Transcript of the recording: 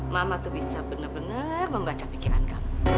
mama tuh bisa bener bener membaca pikiran kamu